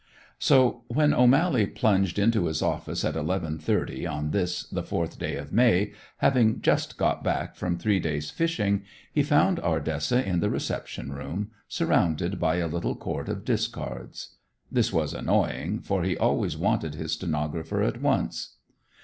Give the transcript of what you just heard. So when O'Mally plunged into his office at 11:30 on this, the fourth day of May, having just got back from three days' fishing, he found Ardessa in the reception room, surrounded by a little court of discards. This was annoying, for he always wanted his stenographer at once.